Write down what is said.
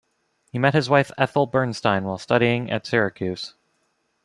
He met his wife Ethel Bernstein while studying at Syracuse.